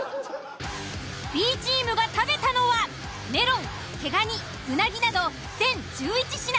Ｂチームが食べたのはメロン毛蟹うなぎなど全１１品。